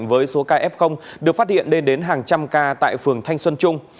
với số caf được phát hiện lên đến hàng trăm ca tại phường thanh xuân trung